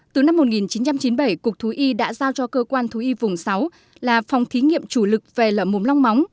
từ năm một nghìn chín trăm chín mươi bảy cục thú y đã giao cho cơ quan thú y vùng sáu là phòng thí nghiệm chủ lực về lở mồm long móng